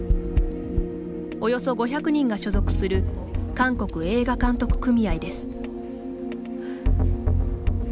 およそ５００人が所属する韓国映画監督組合です。